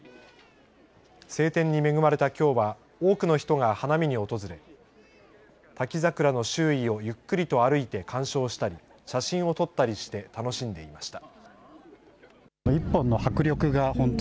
晴天に恵まれたきょうは多くの人が花見に訪れ滝桜の周囲をゆっくりと歩いて鑑賞したり写真を撮ったりして楽しんでいました。